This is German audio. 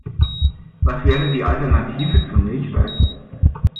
Was wäre die Alternative zu Milchreis?